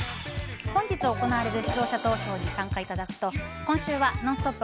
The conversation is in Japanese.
本日行われる視聴者投票にご参加いただくと今週は「ノンストップ！」